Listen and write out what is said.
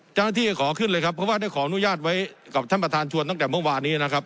เจ้าหน้าที่ก็ขอขึ้นเลยครับเพราะว่าได้ขออนุญาตไว้กับท่านประธานชวนตั้งแต่เมื่อวานนี้นะครับ